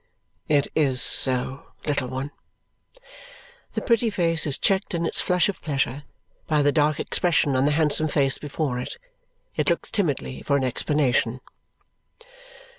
"It is so, little one." The pretty face is checked in its flush of pleasure by the dark expression on the handsome face before it. It looks timidly for an explanation.